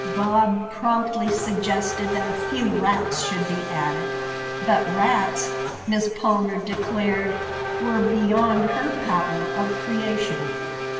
Bob promptly suggested that a few rats should be added. But rats, Miss Palmer declared, were beyond her powers of creation.